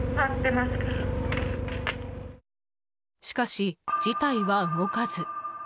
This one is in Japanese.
しかし、事態は動かず。